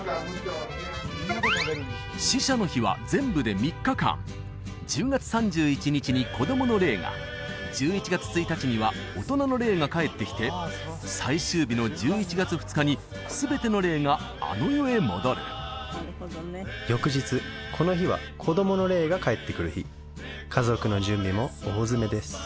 死者の日は全部で３日間１０月３１日に子供の霊が１１月１日には大人の霊が帰ってきて最終日の１１月２日に全ての霊があの世へ戻る翌日この日は子供の霊が帰ってくる日家族の準備も大詰めです